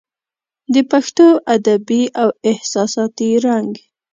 د پښتو ادبي او احساساتي رنګ